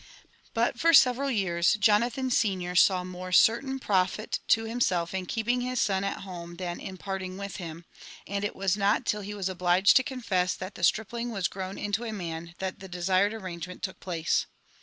But for several years Jonathan senior saw more certain profit to himself in keeping his son at home than in parting with him ; and it was not till he was obliged to confess that tt^e stripling was grown into a man, that the desired arrangement took place.